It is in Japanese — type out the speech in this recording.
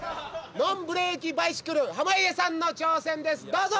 ＮＯＮブレーキバイシクル濱家さんの挑戦ですどうぞ！